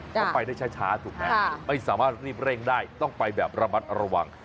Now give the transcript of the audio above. เขาไปได้ช้าถูกไหมไม่สามารถรีบเร่งได้ต้องไปแบบระมัดระวัง